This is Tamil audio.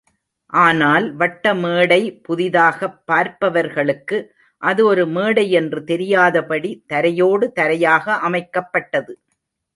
ஆனால் வட்டமேடை புதிதாகப் பார்ப்பவர்களுக்கு, அது ஒரு மேடை என்று தெரியாதபடி, தரையோடு தரையாக அமைக்கப்பட்டது.